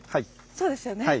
そうですよね。